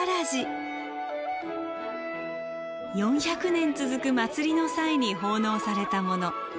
４００年続く祭りの際に奉納されたもの。